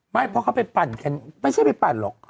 เพราะเขาไปปั่นกันไม่ใช่ไปปั่นหรอก